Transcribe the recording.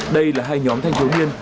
đây là hai nhóm thanh thiếu niên